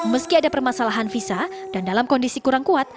meski ada permasalahan visa dan dalam kondisi kurang kuat